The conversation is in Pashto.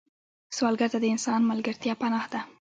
سوالګر ته د انسان ملګرتیا پناه ده